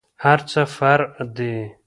هرڅه فرع دي.